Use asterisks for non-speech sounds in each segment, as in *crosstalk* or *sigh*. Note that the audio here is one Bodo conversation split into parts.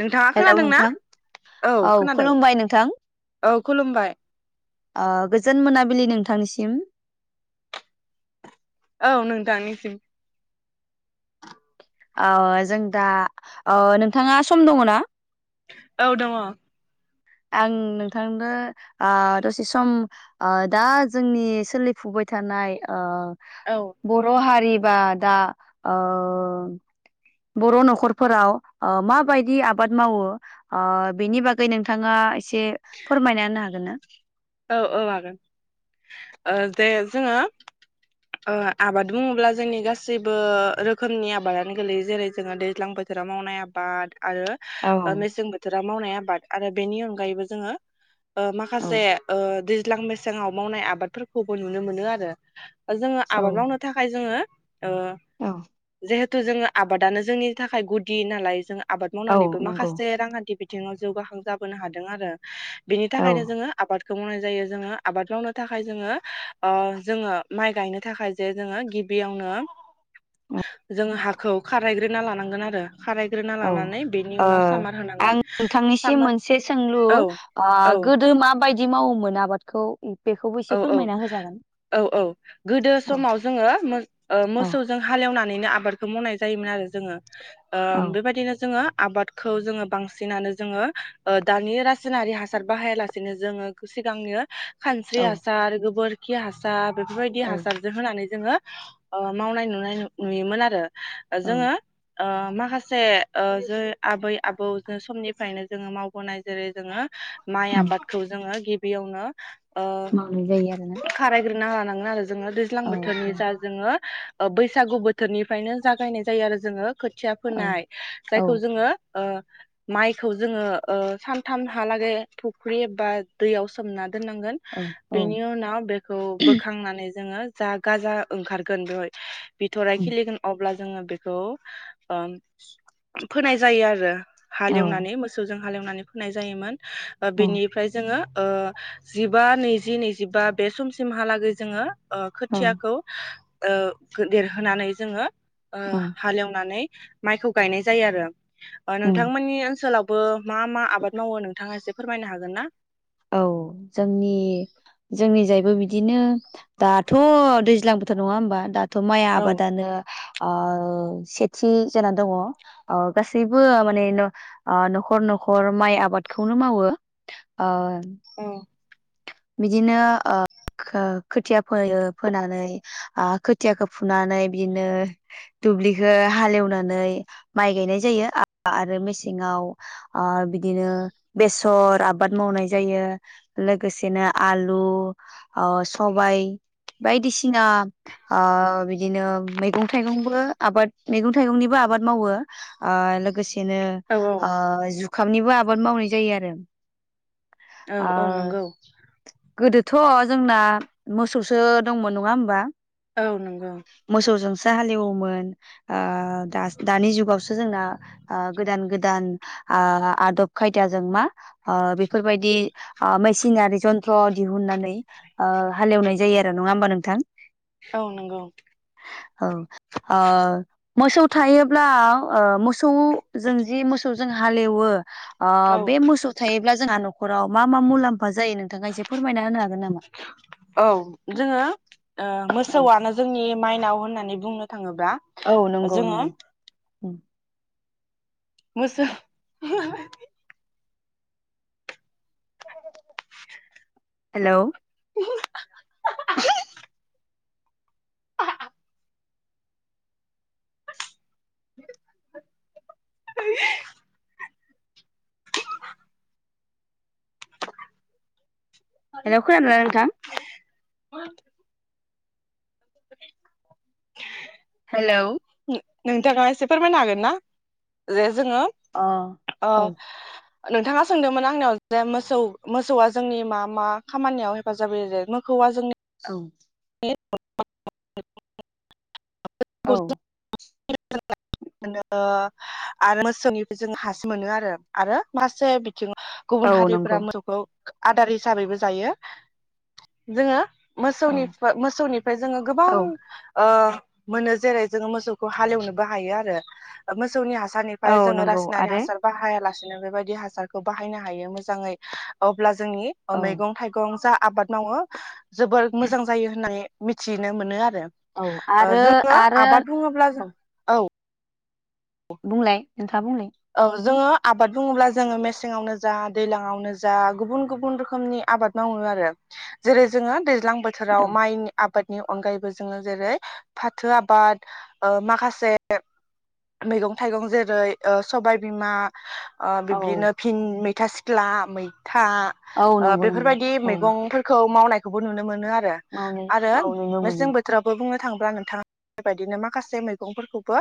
नोंथाङा हेलौ खोनादोंना नोंथां औ खोनादों खुलुमबाय नोंथां औ खुलुमबाय। गोजोन मोनाबिलि नोंथांनिसिम। औ नोंथांनिसिम अ जों दा अ नोंथाङा सम दङ ना? औ दङ। आं नोंथांदो ओ दसे सम ओ दा जोंनि सोलिफुबाय थानाय ओ औ बर' हारि बा दा ओ बर' न'खरफोराव ओ माबायदि आबाद मावो बेनि बागै नोंथाङा । एसे फोरमायना होनो हागोन ना? औ औ हागोन दे जोङो । ओ आबाद बुङोब्ला जोंनि गासैबो रोखोमनि आबादानो गोलैयो जेरै जोङो दैज्लां बोथोराव मावनाय आबाद। आरो औ मेसें बोथोर । राव मावनाय आबाद आरो बेनि अनगायैबो जोङो। औ माखासे ओ दैज्लां मेसेङाव मावनाय आबादफोरखौबो नुनो मोनो आरो। जोङो औ आबाद मावनो थाखाय जोङो। ओ औ जिहे हेतु जोङो आबादानो जोंनि थाखाय गुदि नालाय जों । आबाद औ मावनानैबो नंगौ माखासे रांखान्थि बिथिङाव जौगाखां जाबोनो हादों आरो । बिनि औ थाखायनो जोङो आबाद । बेखौ मावनाय जायो जोङो आबाद मावनो थाखाय जोङो अ जोङो । माइ गायनो थाखाय जे जोङो गिबियावनो औ । जों हा खौ खारायग्रोना लानांगोन आरो । औ ओ आं होनांगोन नोंथांनिसिम सामार मोनसे सोंलु औ ओ औ गोदो माबायदि दि मावोमोन आबादखौ? बेखौबो एसे औ औ फोरमायना होजागोन औ औ गोदो औ समाव जोङो ओ मो ओ औ मोसौजों हालेवनानैनो आबादखौ मावनाय ज जायोमोन आरो जोङो । ओ बेबायदिनो जोङो । आबादखौ जोङो बांसिनानो जोङो ओ दानि रासायनारि हासार बाहायालासेनो जोङो सिगांनो । औ स्रि हासार गोबोर खि हासार, बेफोरबायदि हासारजों होनानै । जोङो ओ मावनाय नुनाय नुयोमोन आरो । औ जोङो ओ माखासे ओ जों आबै आबौ जो समनिफ्रायनो जोङो मावबोनाय जेरै जोङो । माइ आबादखौ जोङो गि बेयावनो । ओ मावनाय जायो आरोना खारायग्रोनो लाना थांनो आरो जोङो दैज्लां औ औ बोथोरनि जा जोङो बैसागु बोथोरनिफ्रायनो जागायनाय जायो आरो जोङो खोथिया औ फोनाय औ जायखौ जोङो ओ माइखौ जोङो ओ सानथामहालागै फुख्रि एबा दैयाव सोमना दोन औ औ बेनि उनाव बेखौ बोखांनानै जोङो जा गाजा ओंखारगोन बेवहाय बिथ'राय खिलिगोन अब्ला जोङो बेखौ ओ फोनाय जायो आरो । हालेवनानै मोसौजों हालेवनानै फोनाय जायोमोन । बिनिफ्राय जोङो ओ जिब बा नैजि नैजिबा बे समसिमहालागै जोङो ओ औ खोथियाखौ ओ देरहोनानै जोङो ओ औ हालेवनानै माइखौ गायनाय जायो आरो । ओ औ नोंथांमोननि ओनसोलाव बो मा मा आबाद मावो नोंथाङा एसे फोरमायनो हागोन ना । औ जोंनि जोंनि जायबो बिदिनो दाथ' दैज्लां बोथोर नङा होमबा त' माइ औ आबादानो ओ सेथि जानानै दङ ओ गासैबो माने नखर नखर माइ आबादखौनो मावो ओ औ बिदिनो ओ खो-खोथिया फोयो फोनानै ओ खोथियाखौ फुनानै बिदिनो दुब्लिखो हालेवनानै माइ गायनाय जायो आरो मेसेंयाव ओ बिदिनो बेसर आबाद मावनाय जायो लोगोसे बिदिनो आलु ओ सबाइ बायदिसिना ओ बिदिनो मैगं थाइगंबो आबाद मैगं थाइगंनिबो आबाद मावो । ओ लोगोसेनो औ ओ जुखामनिबो आबाद मावनाय जायो आरो । औ औ नंगौ । गोदोथ' जोंना मोसौसो दंमोन नङा होमबा? औ नोंगौ सो हलौयोमोन ओ-दा दानि जुगावसो जोंना ओ गोदान गोदान ओ आदब खायदाजों मा ओ बेफोर बायदि ओ मेसिनारि जन्थ्र दिहुननानै ओ हालेवनाय जायो आरो नङा होमबा नोंथां? औ नंगौ । औ ओ मोसौ थायोब्ला ओ मोसौ जों जि मोसौजों हालेवो । ओ औ बे मोसौ थायोब्ला जोंना नखराव मा मा मुलाम्फ जायो नो औ जोङो ओ औ मोसौआनो जोंनि माइनाव होन होननानै बुंनो थाङोबा जोङो उम मोसौ हेलौ हेलौ खोनादोंना नोंथां? हेलौ नोंथाङा एसे फोरमायनो हागोन ना जे जोङो अ ओ औ नोंथाङा सोंदोंमोन आंनियाव जे मोसौ मोसौआ जोंनि मा मा खामानियाव हेफाजाब होयो जे मोखौआ जोंनि औ *unintelligible* औ *unintelligible* मोनो आरो मोसौनिफाय जों हास मोनो आरो आरो माखासे बिथिङाव औ गुबुन हारिफोरा नंगौ मोसौखौ आदार हिसाबैबो जायो। जोङो औ मोसौनि मोसौनिफ्राय जोङो गोबां ओ ओ मोनो जेरै जोङो मोसौखौ हालेवनोबो हायो आरो। मोसौनि आस सारनिफ्राय औ जोङो नंगौ रासायनारि आरो हासार बाहायाला दिनो बे बायदि हासारखौ बानायनो हायो मोजांङै अब्ला जोंनि ओ औ मैगं थाइगं जा आबाद मावो जोबोर मो जां जायो होननानै मिथिनो मोनो आर रो औ ओ आरो जोङो आरो आबाद बुङोब्ला जों औ था बुंनाय? औ जोङो आबाद बुङोब्ला जोङो मेसेङावनो जा दैलाङावनो जा गुबुन गुबुन रोखोमनि आबाद मावो आरो। जेरै जोङो दै ज्लां बोथोराव औ माइनि आबाद नि अनगायैबो जोङो जेरै फाथो आबाद ओ माखासे मैगं थाइगं जेरै ओ सबायबिमा ओ औ बिबिनो भिन मै था सिख्ला मै था औ ओ नंगौ नंगौ बेफोरबायदि औ मैगंफोरखौ मावनाय खौबो नुनो मोनो आरो मावनाय *unintelligible* आरो औ नुनो मोनो मेसें बोथोरावबो बुंङो थांब्ला नोंथांङा बेबायदिनो माखासे मैगंफोरखौबो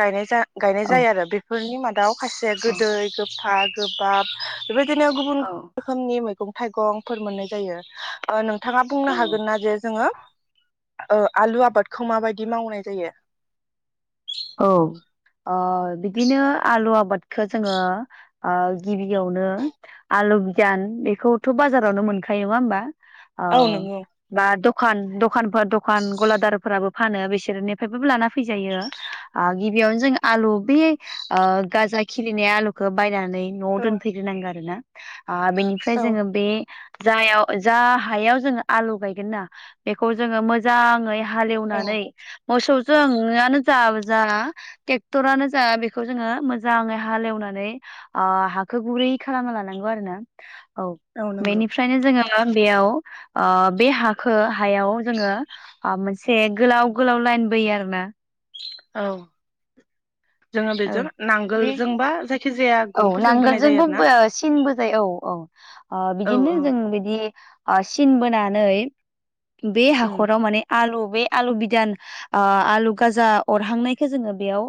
गायनाय ज गायनाय औ जायो आरो *unintelligible* दाउ खायसे औ गोदै गोफा गोबाब बेबायदिनो गुबुन औ रोखोमनि मैगं थाइगंफोर मोननाय जायो ओ नों थांङा बुंनो औ हागोन ना जे जोंङो ओ आलु आबादखौ माबायदि मावनाय जायो अ बिदिनो आलु आबादखौ जोंङो गिबियावनो आलु बिगान बेखौथ बाजारावनो मोनखायो नंङा होमबा। अ औ नंगौ बा दख दखान दखानफोर दखान गलादारफोराबो फानो बिसोरनिफ्रायबो लाना फैजायो। गिबियावनो जों आलु बे गाजा खिलिनाय आलुखौ बायनानै नआव औ दोनफैग्रोनांगोन आरो ना। बेनिफ्राय जोंङो बे जायाव जा हायाव जोंङो आलु गायगोन ना बेखौ जोंङो मोजांङै औ हालेवनानै मोसौजों *unintelligible* ज जा ट्रेक्टरानो जा बेखौ जोंङो मोजांङै हालेवनानै ओ हाखो गुरै खालामना लानांगौ आरो ना। औ बेनिफ्रायनो जोंङो दा बेयाव ओ बे हाखौ हायाव जोंङो मोनसे गोलाव गोलाव लाइन बोयो आरोना। औ । *inaudible* औ बे जायखिजाया औ गनफोरजों बोनाय जायो नांगोलजोंबो आरो ना सिनबो जायो औ औ बिदिनो जों बिदि सिन बोनानै बे उम हाखराव माने आलु बे आलु बिदान आलु गाजा अरहांनायखौ जोंङो बेयाव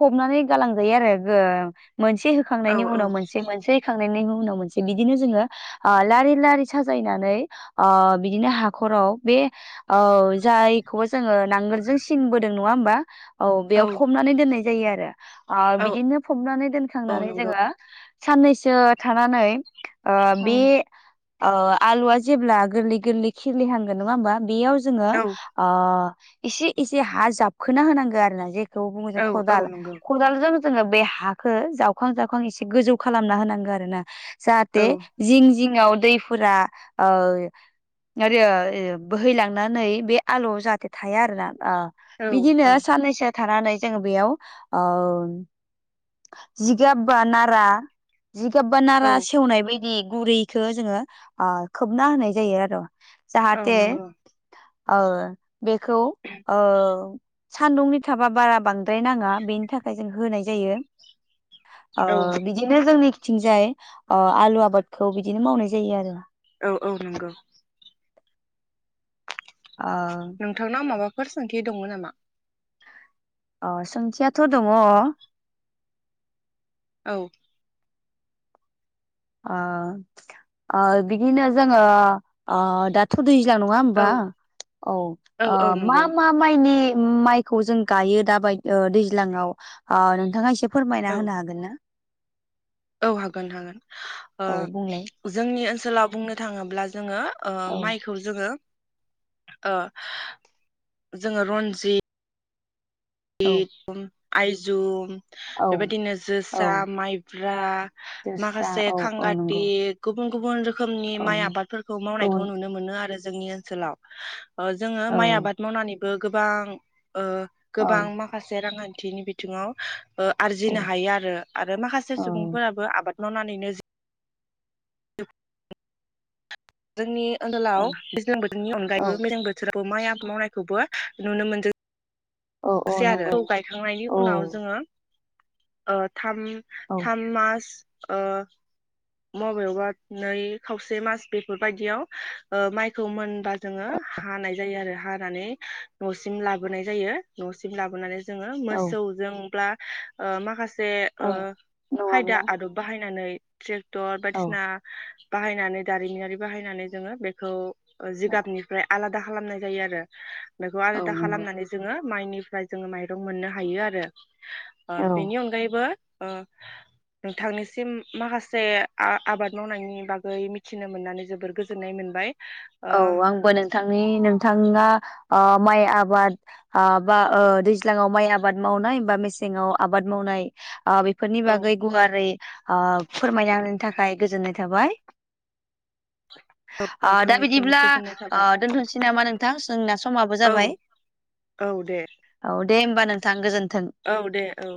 फबनानै गालांजायो आरो मोनसे औ होखांनायनि औ उनाव मोनसे मोनसे मोननैखौ उनाव मोनसे बिदिनो जोंङो ओ लारि लारि साजायनानै ओ बिदिनो हाखराव बे औ जायखौ जोंङो नांगोलजों सिन बोदों नंङा होनबा ओ। औ हमनानै दोननाय जायो आरो औ बिदिनो फबनानै औ दोनखांनानै नंगौ जोङो साननैसो थानानै आ बे उम अ आलुआ जेब्ला गोरलै गोरलै खिलिहांगोन नामङा होमबा बेयाव जोङो औ ओ एसे एसे हा जाबखोना होनांगो आरो ना जे खौ बुङो जों औ औ खदाल नंगौ खदाल जान जोङो बे हाखौ जावखां जावखां एसे गोजौ खालामना होनांगौ आरो ना। औ जाहाथे जिं जिं आव दैफोरा ओ आरो बोहैलांनानै बे आलुआव जाहाथे थाया आरो ना । अ औ बिदिनो औ साननैसो थानानै जोङो बेयाव ओ जिगाब बा नारा जिगाबबा नारा सेवनाय बाय *unintelligible* गुरैखो जोङो आ खोबना होनाय जायो आर औ जाहाथे नंगौ औ बेखौ ओ सान्दुंनि थाबा बारा बांद्राय नाङा बेनि थाखाय जों होनाय जायो ओ औ बिदिनो जोंनिखि थिंजाय ओ आलु आबादखौ बिदिनो मावनाय जायो आरो औ-औ नंगौ। ओ नोंथांनाव आं माबा फोर सोंथि दङो नामा अ सोथियाथ दङ औ ओ-ओ बिदिनो जोङो ओ दाथ दै ज्लां नङा औ होमबा औ औ ओ औ मा नंगौ मा माइनि उम माइखौ जों गायो दा बाय दैज्लाङाव ओ नोंथाङा एसे फोरमायना औ होनो हागोन ना औ हागोन हागोन ओ औ बुंलाय जोंनि ओन सोलाव बुंनो थाङोब्ला जोङो ओ औ माइखौ जोङो ओ जोङो रनजि औ *unintelligible* आइजुम औ बेबायदिनो औ जोसा माइब्रा जोस्रा माखासे औ औ खांगाति नंगौ गु बुन गुबुन रो खोमनि औ माइ आबादफोरखौ मावनायखौ गुबुन नुनो मोनो आरो जोंनि ओनसोलाव ओ जोङो औ माइ आबाद मावनानै बो गोबां ओ औ गोबां माखासे रांखान थिनि बिथिङाव ओ औ आरजिनो हायो आरो आरो माखासे औ सुबुंफोराबो आबाद मावनानैनो *inaudible* जोंनि औ ओनसोलाव दैज्लां बोथोरनि औ अनगायैबो मेसें बोथोराव माइ *unintelligible* मावनायखौबो नुनो मोनदों। औ सै औ आरो नंगौ *unintelligible* गायखांनायनि औ उनाव जोङो ओ थाम औ थाम मास ओ मबेबा नै खावसे मास बेफोरबायदियाव ओ माइखौ मोनबा जोङो हानाय जायो आरो हानानै न'सिम लाबोनाय जायो न'सिम लाबोनानै जोङो औ मोसौ जोंब्ला ओ माखासे औ ओ नङाब्ला खायदा आदब बाहायनानै ट्रेक टर औ बायदिसिना बाहायनानै दारिमिनारि बाहायनानै जोङो बेखौ ओ जिगाबनिफ्राय आला दा खालामनाय जायो आरो। बेखौ औ आलादा नंगौ खालामनानै जोङो माइनिफ्राय जोङो माइरं मोननो हायो आरो। ओ औ बेनि अनगायैबो ओ नोंथांनिसिम माखासे जे आ-आबाद मावनायनि बागै मिथिनो मोननानै जोबोर गोजोननाय मोनबाय ओ औ आंबो नोंथांनि नोंथाङा ओ माइ आबाद आ बा ओ दैज्लाङाव माइ आबाद मावनाय बा मेसें आव आबाद मावनाय आ बेफोरनि औ बागै गुवारै ओ फोरमायना होननि थाखाय गोजोननाय थाबाय अ नोंथां बेबायदिब्ला ओ दोनथ'नोसै नामा नोंथां जोंना समाबो औ जाबाय औ दे औ दे होमबा नोंथां गोजोन्थों औ दे औ